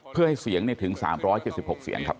เพื่อให้เสียงถึง๓๗๖เสียงครับ